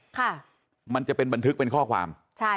ค่ะมันจะเป็นบันทึกเป็นข้อความใช่